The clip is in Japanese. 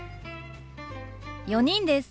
４人です。